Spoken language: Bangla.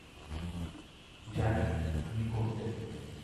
জানি তুমি করতে।